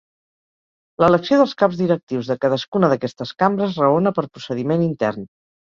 L'elecció dels caps directius de cadascuna d'aquestes cambres raona per procediment intern.